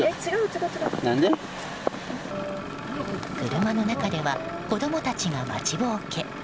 車の中では子供たちが待ちぼうけ。